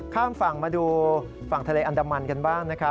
ข้ามฝั่งมาดูฝั่งทะเลอันดามันกันบ้างนะครับ